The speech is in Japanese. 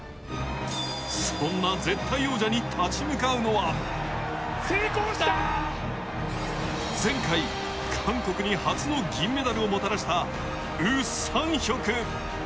そんな絶対王者に立ち向かうのは、前回韓国に初の銀メダルをもたらしたウ・サンヒョク。